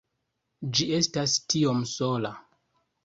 Ĝi estas tiom sola